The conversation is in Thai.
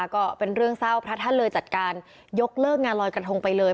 ก็เป็นเรื่องเศร้าพระท่านเลยจัดการยกเลิกงานลอยกระทงไปเลย